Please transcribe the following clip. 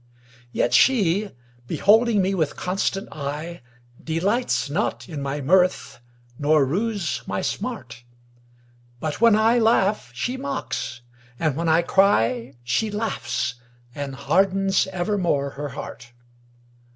Yet she beholding me with constant eye, Delights not in my mirth nor rues my smart: But when I laugh she mocks, and when I cry She laughs, and hardens evermore her heart.